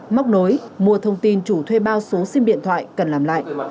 móc nối mua thông tin chủ thuê bao số sim điện thoại cần làm lại